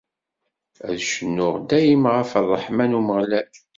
Ad cennuɣ dayem ɣef ṛṛeḥma n Umeɣlal.